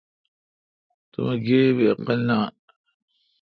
تو مے°گیبی عقل نان۔